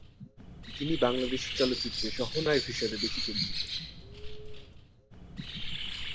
তিনি বাংলাদেশী চলচ্চিত্রে সহ নায়ক হিসেবে বেশি পরিচিত।